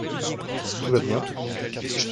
Tout va bien ?